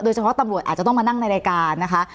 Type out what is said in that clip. เฉพาะตำรวจอาจจะต้องมานั่งในรายการนะคะ